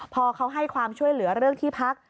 พอเขาให้ความช่วยเหลือเรื่องที่พัก